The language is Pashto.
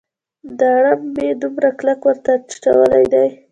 دا اړم مې دومره کلک ورته اچولی دی.